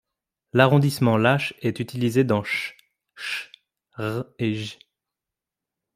L'arrondissement lâche est utilisé dans sh, ch, r, et j.